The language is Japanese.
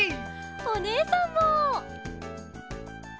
おねえさんも！